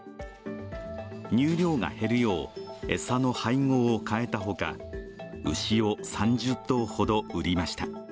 乳量が減るよう餌の配合を変えた他、牛を３０頭ほど売りました。